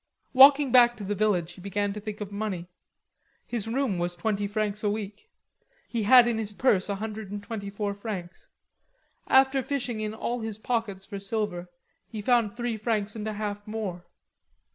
Walking back to the village he began to think of money. His room was twenty francs a week. He had in his purse a hundred and twenty four francs. After fishing in all his pockets for silver, he found three francs and a half more.